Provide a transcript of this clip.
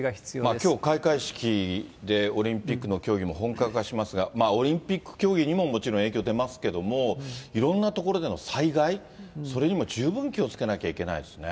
きょう開会式でオリンピックの競技も本格化しますが、オリンピック競技にももちろん影響出ますけれども、いろんな所での災害、それにも十分気をつけなきゃいけないですね。